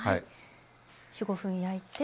４５分焼いて。